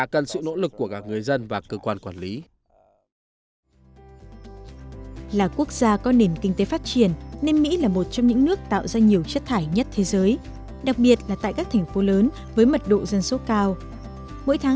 các cơ quan quản lý cần phải nhìn nhận rõ vấn đề để xây dựng một kế hoạch hành động cụ thể